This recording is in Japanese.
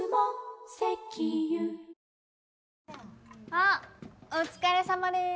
あっお疲れさまでーす。